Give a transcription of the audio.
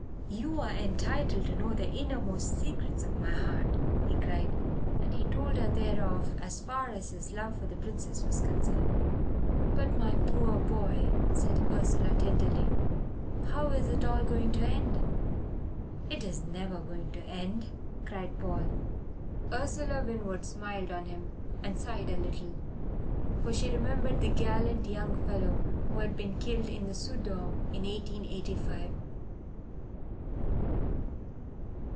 "You're entitled to know the innermost secrets of my heart," he cried; and he told thereof as far as his love for the Princess was concerned. "But, my poor boy," said Ursula tenderly, "how is it all going to end?" "It's never going to end," cried Paul. Ursula Winwood smiled on him and sighed a little; for she remembered the gallant young fellow who had been killed in the Soudan in eighteen eighty five.